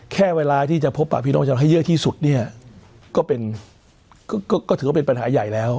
แค่เวลาที่จะพบปะพี่น้องชาวให้เยอะที่สุดเนี่ยก็เป็นก็ถือว่าเป็นปัญหาใหญ่แล้ว